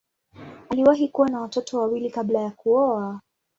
Aliwahi kuwa na watoto wawili kabla ya kuoa.